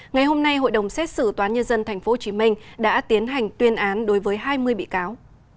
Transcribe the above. ngày hôm nay hội đồng xét xử toán nhân dân tp hcm đã tiến hành tuyên án đối với hai mươi bị cáo